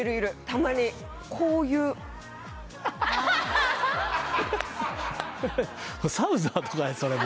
たまにこういうサウザーとかやそれ